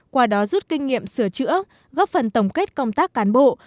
qua đó rút kinh nghiệm sửa chữa góp phần tổng kết công tác cán bộ